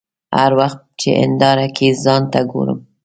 هر وخت چې هنداره کې ځان ته ګورم.